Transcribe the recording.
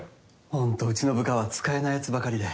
ほんとうちの部下は使えないやつばかりで。